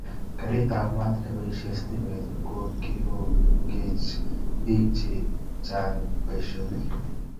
Karit ab maat neboishee stimet kokikokoch bik che chang boishonik